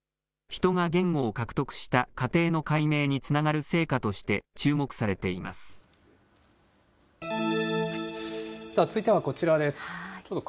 ヒトが言語を獲得した過程の解明につながる成果として注目されて続いてはこちらです。